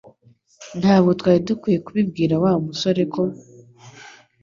Ntabwo twari dukwiye kubibwira Wa musore ko